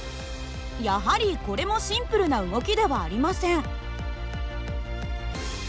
やはりこれもシンプルな動きではありません。